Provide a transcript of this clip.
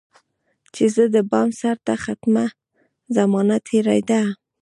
چي زه دبام سرته ختمه، زمانه تیره ده